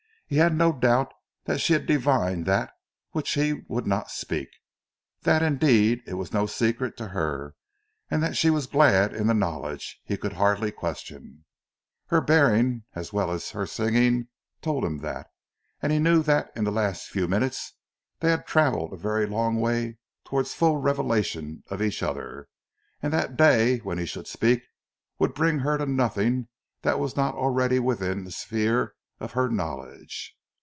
He had no doubt that she divined that which he would not speak; that indeed it was no secret to her, and that she was glad in the knowledge he could hardly question. Her bearing as well as her singing told him that; and he knew that in the last few minutes they had travelled a very long way towards full revelation of each other; and that the day when he should speak would bring to her nothing that was not already within the sphere of her knowledge.